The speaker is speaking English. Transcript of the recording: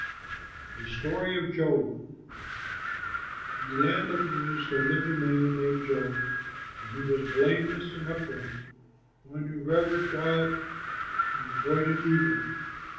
THE STORY OF JOB In the land of Uz there lived a man named Job; and he was blameless and upright, one who revered God and avoided evil.